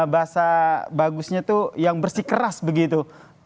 masa bagusnya tuh yang bersih keras begitu